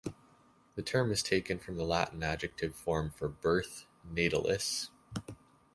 The term is taken from the Latin adjective form for "birth", "natalis".